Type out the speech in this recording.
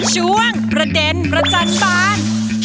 ช่วงประเด็นประจันบาล